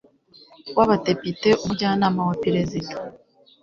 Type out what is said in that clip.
w Abadepite Umujyanama wa Perezida